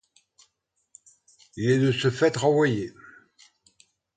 Il est de ce fait renvoyé.